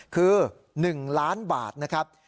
คือ๑ล้านบาทนะครับ